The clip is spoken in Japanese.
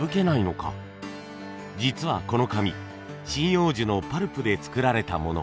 実はこの紙針葉樹のパルプで作られたもの。